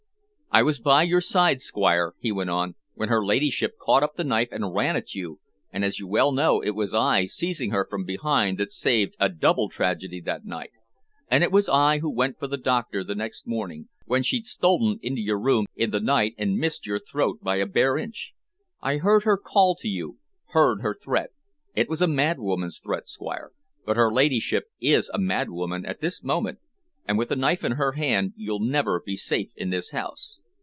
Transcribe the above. "I was by your side, Squire," he went on, "when her ladyship caught up the knife and ran at you, and, as you well know, it was I, seizing her from behind, that saved a double tragedy that night, and it was I who went for the doctor the next morning, when she'd stolen into your room in the night and missed your throat by a bare inch. I heard her call to you, heard her threat. It was a madwoman's threat, Squire, but her ladyship is a madwoman at this moment, and with a knife in her hand you'll never be safe in this house."